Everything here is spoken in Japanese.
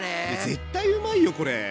絶対うまいよこれ。